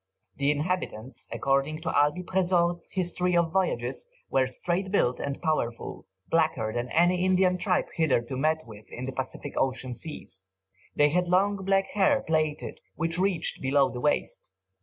The inhabitants, according to Albey Presort's "History of Voyages," were straight built and powerful, blacker than any Indian tribe hitherto met with in the Pacific Ocean Seas. They had long black hair plaited, which reached below the waist.